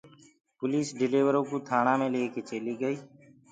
پوليٚس ڊليورو ڪو ٿآڻآ مي ليڪي چليٚ گئيٚ